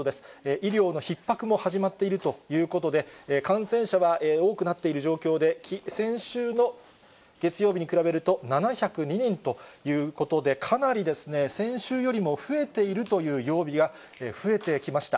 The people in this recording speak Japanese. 医療のひっ迫も始まっているということで、感染者は多くなっている状況で、先週の月曜日に比べると７０２人ということで、かなり先週よりも増えているという曜日が増えてきました。